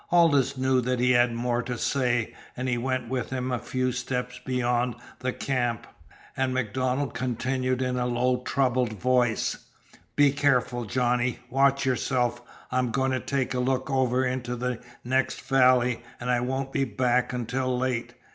Aldous knew that he had more to say, and he went with him a few steps beyond the camp. And MacDonald continued in a low, troubled voice: "Be careful, Johnny. Watch yo'rself. I'm going to take a look over into the next valley, an' I won't be back until late.